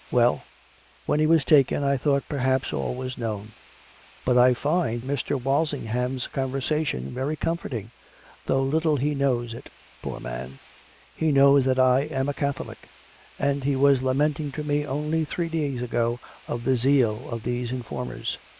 Well, when he was taken I thought perhaps all was known. But I find Mr. Walsingham's con versation very comforting, though little he knows it, poor man I He knows that I am a Catholic ; and he was lament ing to me only three days ago of the zeal of these informers.